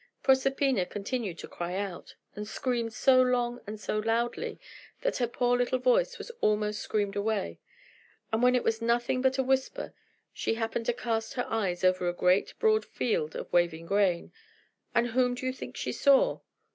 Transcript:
Proserpina continued to cry out, and screamed so long and so loudly that her poor little voice was almost screamed away; and when it was nothing but a whisper, she happened to cast her eyes over a great, broad field of waving grain and whom do you think she saw?